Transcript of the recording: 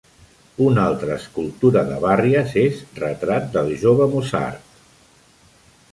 Una altra escultura de Barrias és "Retrat del jove Mozart".